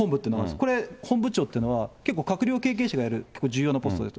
これ、本部長っていうのは、結構、閣僚経験者がやる重要なポストです。